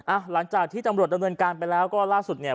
หลังจากที่ตำรวจดำเนินการไปแล้วก็ล่าสุดเนี่ย